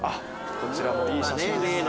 こちらもいい写真ですね！